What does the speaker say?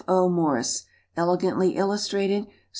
O. MORRIS. Elegantly Illustrated.